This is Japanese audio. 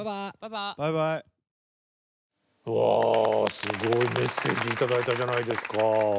すごいメッセージ頂いたじゃないですか。